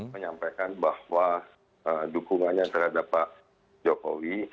menyampaikan bahwa dukungannya terhadap pak jokowi